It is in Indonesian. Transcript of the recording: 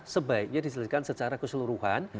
sebaiknya diselesaikan secara keseluruhan